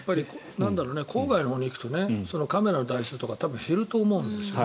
郊外のほうに行くとカメラの台数とか多分減ると思うんですよね。